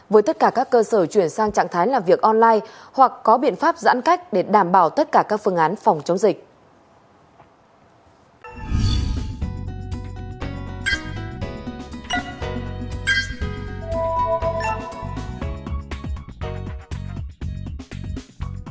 với tất cả các cơ sở chuyển sang trạng thái làm việc online hoặc có biện pháp giãn cách để đảm bảo tất cả các phương án phòng chống dịch